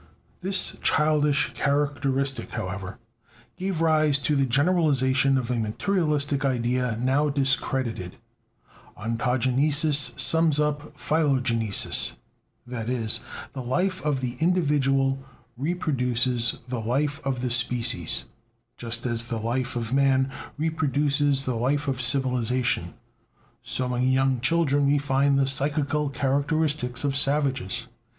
This childish characteristic, however, gave rise to the generalization of a materialistic idea now discredited: "Ontogenesis sums up philogenesis": that is, the life of the individual reproduces the life of the species; just as the life of man reproduces the life of civilization, so in young children we find the psychical characteristics of savages.